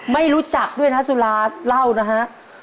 ไม่รู้จักด้วยนะสุราเล่านะฮะ